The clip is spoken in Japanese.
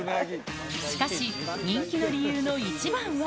しかし、人気の理由の一番は。